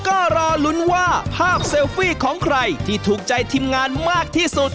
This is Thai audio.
ก็รอลุ้นว่าภาพเซลฟี่ของใครที่ถูกใจทีมงานมากที่สุด